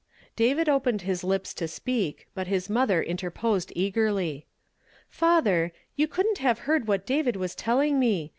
" DAVID opened his lips to speak, but his mother interposed eagerly. " Father, you couldn't have heard what David was telling nie.